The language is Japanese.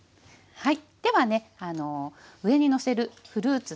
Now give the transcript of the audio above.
はい。